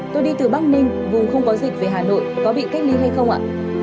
tôi đi từ bắc ninh vùng không có dịch về hà nội có bị cách ly hay không ạ